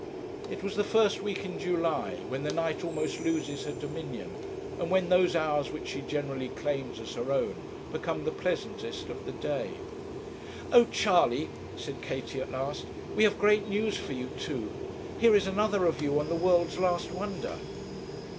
It was the first week in July, when the night almost loses her dominion, and when those hours which she generally claims as her own, become the pleasantest of the day. 'Oh, Charley,' said Katie, at last, 'we have great news for you, too. Here is another review on "The World's Last Wonder."'